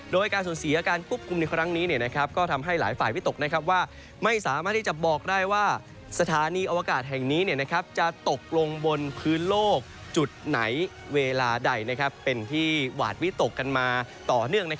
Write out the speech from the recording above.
โดยการสูญเสียการควบคุมในครั้งนี้ก็ทำให้หลายฝ่ายวิตกว่าไม่สามารถที่จะบอกได้ว่าสถานีอวกาศแห่งนี้จะตกลงบนพื้นโลกจุดไหนเวลาใดเป็นที่หวาดวิตกกันมาต่อเนื่อง